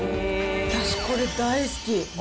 私これ大好き。